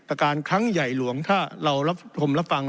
ประการครั้งใหญ่หลวงถ้าเรารับธรรมและฟัง